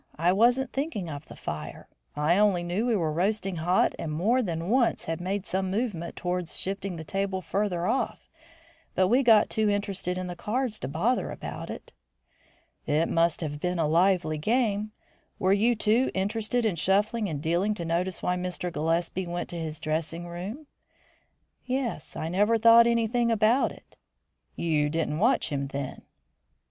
I wasn't thinking of the fire. I only knew we were roasting hot and more than once made some movement towards shifting the table further off, but we got too interested in the cards to bother about it." "It must have been a lively game. Were you too interested in shuffling and dealing to notice why Mr. Gillespie went to his dressing room?" "Yes, I never thought anything about it." "You didn't watch him, then?"